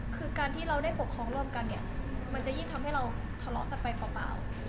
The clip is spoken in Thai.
คือการที่เราได้ปกครองร่วมกันเนี่ยมันจะยิ่งทำให้เราทะเลาะกันไปเปล่า